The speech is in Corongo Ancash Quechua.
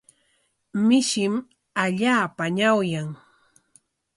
Mishim allaapa ñawyan.